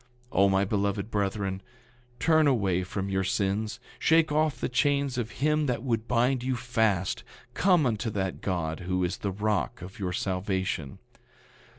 9:45 O, my beloved brethren, turn away from your sins; shake off the chains of him that would bind you fast; come unto that God who is the rock of your salvation.